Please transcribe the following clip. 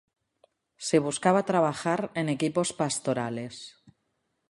Se buscaba trabajar en equipos pastorales.